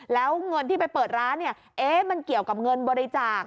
แล้วเงินที่ไปเปิดร้านเนี่ยเอ๊ะมันเกี่ยวกับเงินบริจาค